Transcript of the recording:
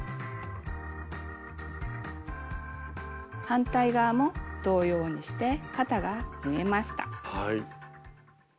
反対側も同様にして肩が縫えました。